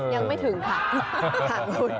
ยังไม่ถึงค่ะ